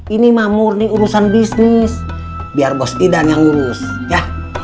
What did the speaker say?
ini mamurni urusan bisnis biar bos idan yang urus ya